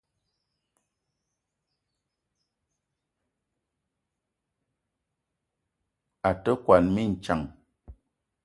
A te kwuan mintsang.